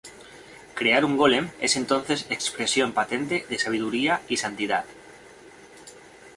Crear un golem es entonces expresión patente de sabiduría y santidad.